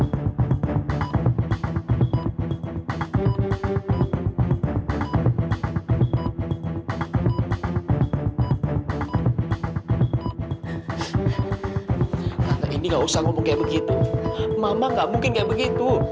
kata ini gak usah ngomong kayak begitu mama gak mungkin kayak begitu